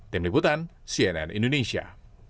tim liputan cnn indonesia